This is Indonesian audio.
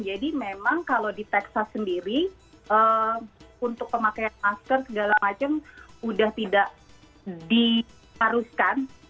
jadi memang kalau di texas sendiri untuk pemakaian masker segala macem udah tidak diharuskan